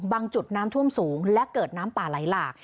จุดน้ำท่วมสูงและเกิดน้ำป่าไหลหลาก